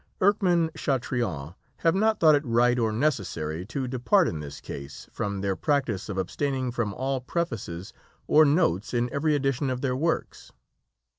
Erckmann Chatrian have not thought it right or necessary to depart in this case from their practice of abstaining from all prefaces or notes in every edition of their works.